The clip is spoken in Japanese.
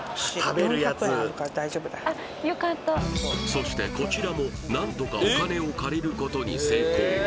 そしてこちらも何とかお金を借りることに成功